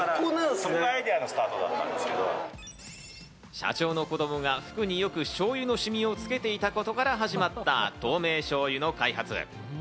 社長の子供が服によく、しょうゆのシミをつけていたことから始まった透明しょうゆの開発。